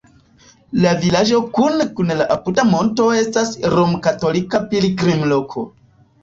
La vilaĝo kune kun la apuda monto estas romkatolika pilgrimloko.